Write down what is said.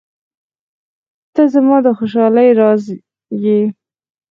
• ته زما د خوشحالۍ راز یې.